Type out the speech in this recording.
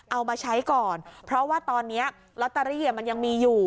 เอามาใช้ก่อนเพราะว่าตอนนี้ลอตเตอรี่มันยังมีอยู่